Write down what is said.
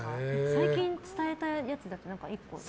最近、伝えたやつを何か１個。